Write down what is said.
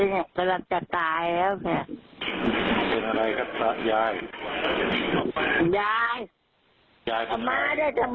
ร้อยภาษาท้องคำเนี่ย